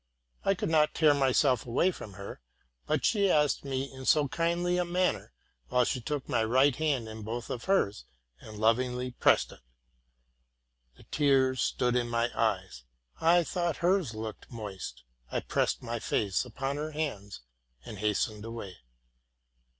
I could not tear myself away from her; but she asked me in so kindly a manner, while she took my right hand in both of hers, and lovingly pressed it! The tears stood in my eyes: I thought hers looked moist. I pressed my face upon her hands, and hastened away.